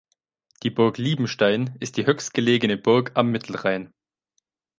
Die Burg Liebenstein ist die höchstgelegene Burg am Mittelrhein.